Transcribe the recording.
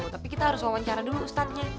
tapi kita harus wawancara dulu ustadznya